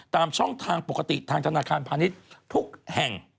ตามช่องทางปกติทางธนาคารพาณิชย์ทุกแห่ง